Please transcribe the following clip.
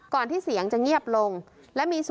ก่อนที่เสียงจะเงียบลงและมีสุนับ